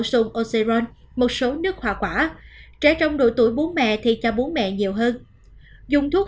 xung oxyrol một số nước hỏa quả trẻ trong độ tuổi bú mẹ thì cho bú mẹ nhiều hơn dùng thuốc